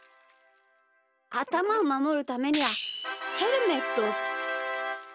あたまをまもるためにはヘルメット。